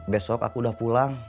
besok aku udah pulang